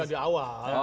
itu sudah di awal